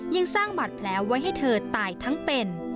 ยังสร้างบาดแผลไว้ให้เธอตายทั้งเป็น